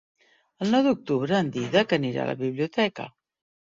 El nou d'octubre en Dídac anirà a la biblioteca.